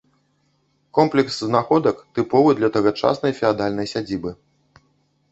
Комплекс знаходак тыповы для тагачаснай феадальнай сядзібы.